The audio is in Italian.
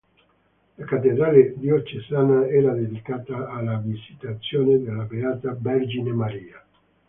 La cattedrale diocesana era dedicata alla Visitazione della Beata Vergine Maria.